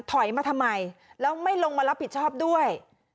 ถอยมาทำไมแล้วไม่ลงมารับผิดชอบด้วย